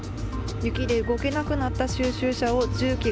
雪で動けなくなった収集車を、重機が